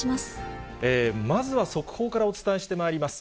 まずは速報からお伝えしてまいります。